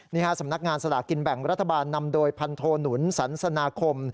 สำนักงานสลากินแบ่งรัฐบาลนำโดยพันโทหนุนสันสนาคม